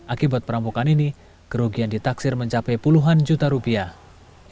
akibat perampokan ini kerugian ditaksir mencapai puluhan juta rupiah